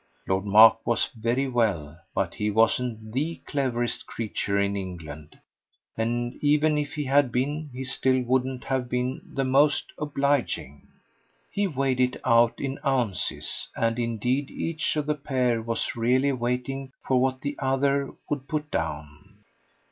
Lord Mark was very well, but he wasn't THE cleverest creature in England, and even if he had been he still wouldn't have been the most obliging. He weighed it out in ounces, and indeed each of the pair was really waiting for what the other would put down.